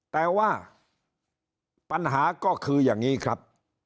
แต่ว่าปัญหาก็คืออย่างนี้ครับ